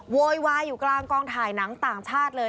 โวยวายอยู่กลางกองถ่ายหนังต่างชาติเลย